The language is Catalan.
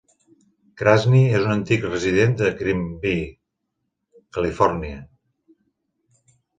Krasny és un antic resident de Greenbrae, Califòrnia.